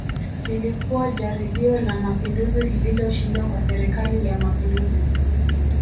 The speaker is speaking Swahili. Lilikuwa jaribio la Mapinduzi lililoshindwa kwa Serikali ya Mapinduzi